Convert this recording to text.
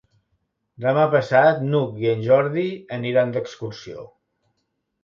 Demà passat n'Hug i en Jordi aniran d'excursió.